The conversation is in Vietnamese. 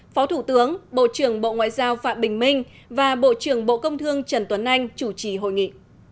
phó thủ tướng bộ trưởng bộ ngoại giao phạm bình minh và bộ trưởng bộ công thương trần tuấn anh chủ trì hội nghị